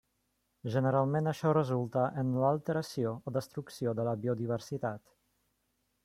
Generalment això resulta en l'alteració o destrucció de la biodiversitat.